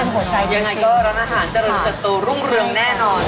ยังไงก็ร้านอาหารจะรู้สึกตัวรุ่งเรืองแน่นอน